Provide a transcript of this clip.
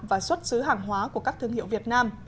và xuất xứ hàng hóa của các thương hiệu việt nam